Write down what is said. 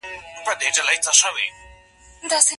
د نجونو لیلیه په ناڅاپي ډول نه انتقالیږي.